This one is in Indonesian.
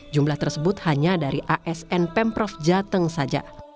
jumlah tersebut hanya dari asn pemprov jateng saja